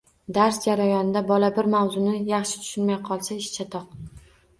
Dars jarayonida bola bir mavzuni yaxshi tushunolmay qolsa – ish chatoq